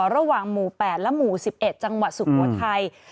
ระหว่างหมู่๘และหมู่๑๑จังหวัดสุโขทัย